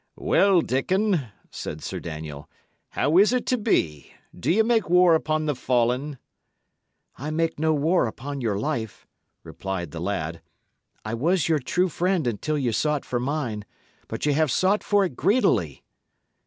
"Well, Dickon," said Sir Daniel, "how is it to be? Do ye make war upon the fallen?" "I made no war upon your life," replied the lad; "I was your true friend until ye sought for mine; but ye have sought for it greedily."